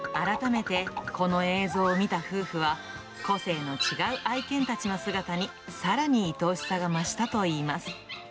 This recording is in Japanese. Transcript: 改めてこの映像を見た夫婦は、個性の違う愛犬たちの姿に、さらに愛おしさが増したといいます。